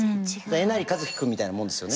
えなりかずき君みたいなもんですよね。